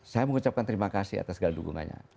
saya mengucapkan terima kasih atas segala dukungannya